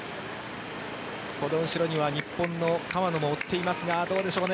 この後ろには日本の川野も追っていますがどうでしょうね。